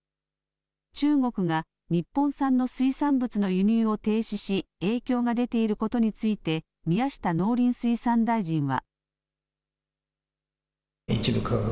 中国が日本産の水産物の輸入を停止し影響が出ていることについて宮下農林水産大臣は。